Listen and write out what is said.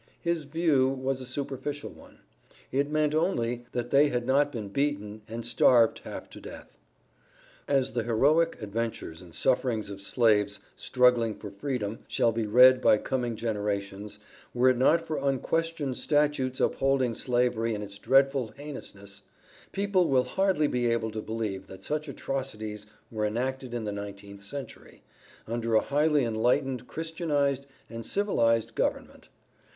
His view was a superficial one, it meant only that they had not been beaten and starved half to death. As the heroic adventures and sufferings of Slaves struggling for freedom, shall be read by coming generations, were it not for unquestioned statutes upholding Slavery in its dreadful heinousness, people will hardly be able to believe that such atrocities were enacted in the nineteenth century, under a highly enlightened, Christianized, and civilized government.